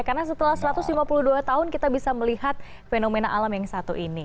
karena setelah satu ratus lima puluh dua tahun kita bisa melihat fenomena alam yang satu ini